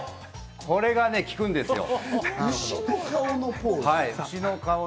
これが効くんですよ。